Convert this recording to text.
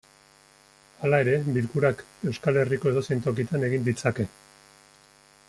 Halere, bilkurak Euskal Herriko edozein tokitan egin ditzake.